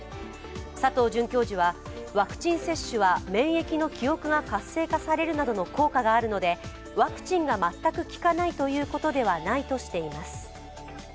佐藤准教授はワクチン接種は免疫の記憶が活性化されるなどの効果があるのでワクチンが全く効かないということではないとしています。